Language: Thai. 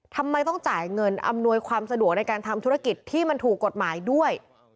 ทำไมต้องจ่ายเงินอำนวยความสะดวกในการทำธุรกิจที่มันถูกกฎหมายด้วย